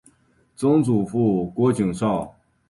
曾祖父郭景昭。